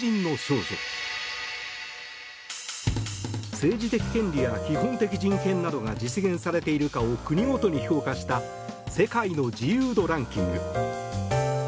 政治的権利や基本的人権などが実現されているかを国ごとに評価した世界の自由度ランキング。